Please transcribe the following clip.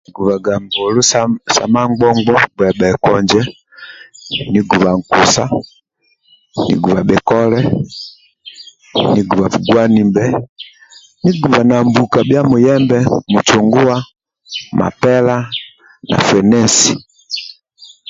Nkigubaga mbulu sa mangbombo gbebhe konje nigubeba nkusa niguba bhikole niguba buwanimbe niguba nkusa niguba na mbuka bhia muyembe mucunguwa mapela bifwenesi